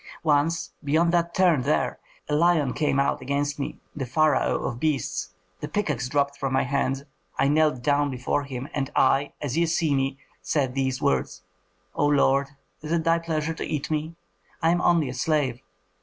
Once, beyond that turn there, a lion came out against me, the pharaoh of beasts. The pickaxe dropped from my hands, I knelt down before him, and I, as ye see me, said these words: 'O lord! is it thy pleasure to eat me? I am only a slave.'